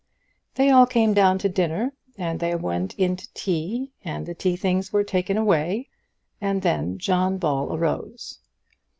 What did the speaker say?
They all came down to dinner, and they all went in to tea, and the tea things were taken away, and then John Ball arose.